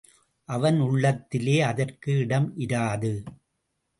அவன் உள்ளத்திலே அதற்கு இடம் இராது.